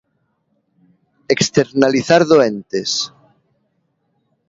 Externalizar doentes.